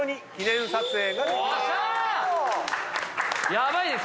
ヤバいです。